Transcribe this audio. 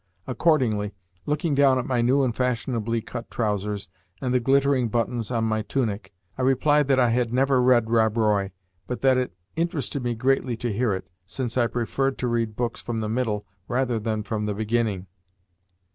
Accordingly, looking down at my new and fashionably cut trousers and the glittering buttons of my tunic, I replied that I had never read Rob Roy, but that it interested me greatly to hear it, since I preferred to read books from the middle rather than from the beginning.